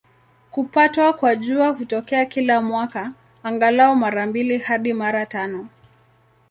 Kupatwa kwa Jua hutokea kila mwaka, angalau mara mbili hadi mara tano.